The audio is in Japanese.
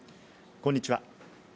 こんにちは。